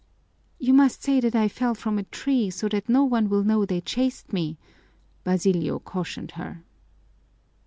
"You must say that I fell from a tree so that no one will know they chased me," Basilio cautioned her.